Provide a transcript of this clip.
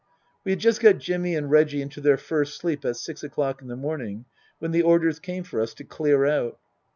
We had just got Jimmy and Reggie into their first sleep at six o'clock in the morning when the orders came for us to clear out.